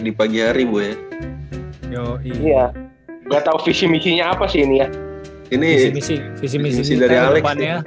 di pagi hari gue ya nggak tahu visi visinya apa sih ini ya ini misi misi dari alex ya